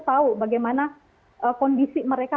tahu bagaimana kondisi mereka